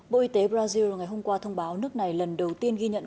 bộ y tế brazil ngày hôm qua thông báo nước này lần đầu tiên ghi nhận